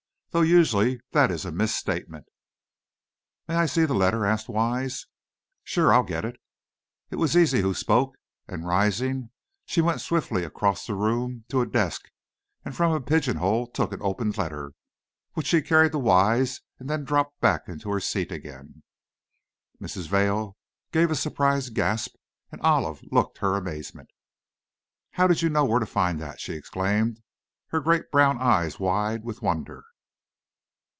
Though usually that is a misstatement." "May I see the letter?" asked Wise. "Sure; I'll get it." It was Zizi who spoke! And rising, she went swiftly across the room, to a desk, and from a pigeonhole took an opened letter, which she carried to Wise, and then dropped back into her seat again. Mrs. Vail gave a surprised gasp, and Olive looked her amazement. "How did you know where to find that?" she exclaimed, her great brown eyes wide with wonder.